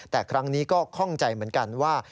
แต่ครั้งนี้ก็คล่องใจเหมือนกันว่า